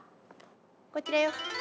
こちらよ。